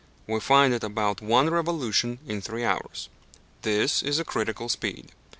We find it about one revolution in three hours. This is a critical speed.